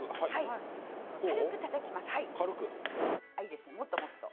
軽くたたきます。